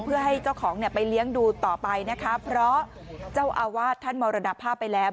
เพื่อให้เจ้าของเนี่ยไปเลี้ยงดูต่อไปนะคะเพราะเจ้าอาวาสท่านมรณภาพไปแล้ว